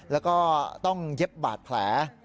แล้วก็ต้องเย็บบาดแผล